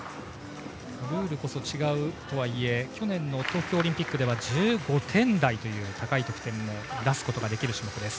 ルールこそ違うとはいえ去年の東京オリンピックでは１５点台という高い得点も出すことができる種目です。